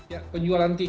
ya penjualan tiket